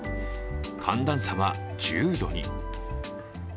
寒暖差は１０度に。